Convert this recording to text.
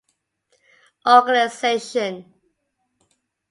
Organization